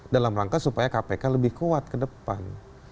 dalam rangka supaya kpk lebih kuat ke depan